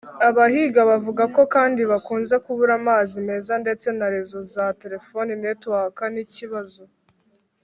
Abahiga bavuga ko kandi bakunze kubura amazi meza ndetse na rezo za telefone((Network) ni ikibazo